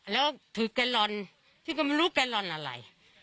แล้วถือการลอนพี่ก็ไม่รู้การลอนอะไร